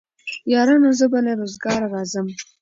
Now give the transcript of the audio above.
يارانو زه به له روزګاره راځم